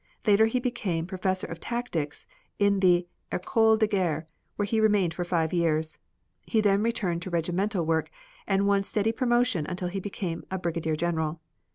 Later he became Professor of Tactics in the Ecole de Guerre, where he remained for five years. He then returned to regimental work and won steady promotion until he became brigadier general.